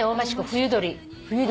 冬鳥。